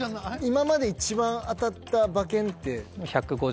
今までいちばん当たった馬券って。